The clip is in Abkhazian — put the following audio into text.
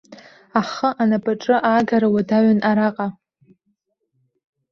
Ахы анапаҿы аагара уадаҩын араҟа.